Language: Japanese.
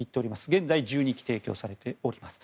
現在１２基提供されております。